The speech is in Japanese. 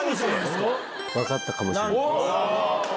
分かったかもしれないです。